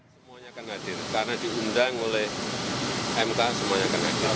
semuanya akan hadir karena diundang oleh mk semuanya akan hadir